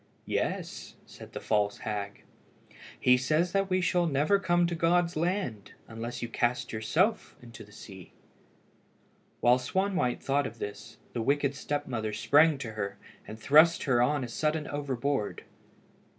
"Yes," said the false hag; "he says we shall never come to God's land unless you cast yourself into the sea." While Swanwhite thought of this, the wicked step mother sprang to her, and thrust her on a sudden overboard.